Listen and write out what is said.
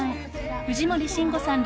藤森慎吾さんら